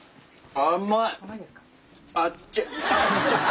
甘い。